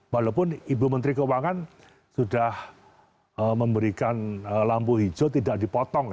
walaupun ibu menteri keuangan sudah memberikan lampu hijau tidak dipotong